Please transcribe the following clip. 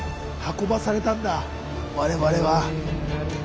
運ばされたんだ我々は。